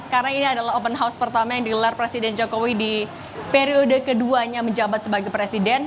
karena ini adalah open house pertama yang digelar presiden jokowi di periode keduanya menjabat sebagai presiden